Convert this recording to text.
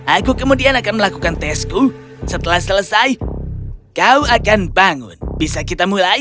aku kemudian akan melakukan tesku setelah selesai kau akan bangun bisa kita mulai